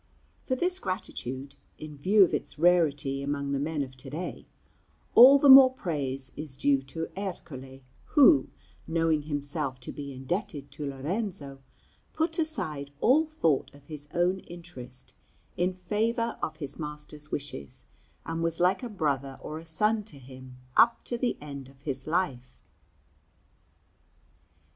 For this gratitude, in view of its rarity among the men of to day, all the more praise is due to Ercole, who, knowing himself to be indebted to Lorenzo, put aside all thought of his own interest in favour of his master's wishes, and was like a brother or a son to him up to the end of his life.